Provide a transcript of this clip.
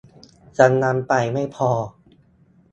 กำลังไฟไม่พอ